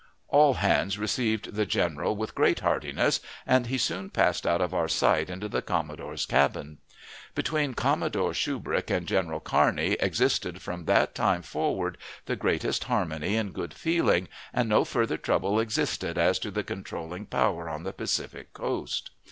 All hands received the general with great heartiness, and he soon passed out of our sight into the commodore's cabin. Between Commodore Shubrick and General Kearney existed from that time forward the greatest harmony and good feeling, and no further trouble existed as to the controlling power on the Pacific coast.